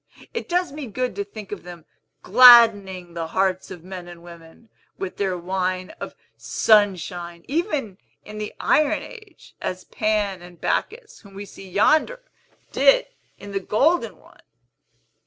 It does me good to think of them gladdening the hearts of men and women, with their wine of Sunshine, even in the Iron Age, as Pan and Bacchus, whom we see yonder, did in the Golden one!"